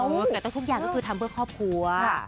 แต่ทุกอย่างก็คือทำเพื่อครอบครัว